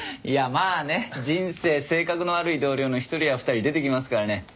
いやまあね人生性格の悪い同僚の一人や二人出てきますからね。